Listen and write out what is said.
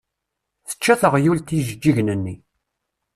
Tečča teɣyult ijeǧǧigen-nni.